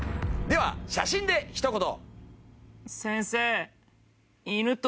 では写真でひと言。